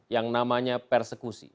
yang namanya persekusi